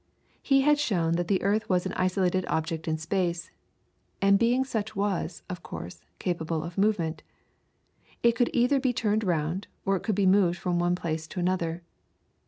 He had shown that the earth was an isolated object in space, and being such was, of course, capable of movement. It could either be turned round, or it could be moved from one place to another.